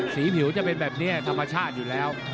สีผิวจะเป็นแบบนี้ธรรมชาติอยู่แล้ว